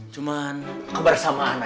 cuman kebersamaan aja